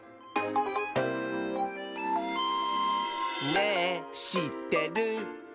「ねぇしってる？」